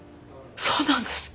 そうなんですか。